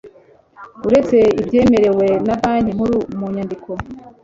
Uretse ibyemerewe na Banki Nkuru mu nyandiko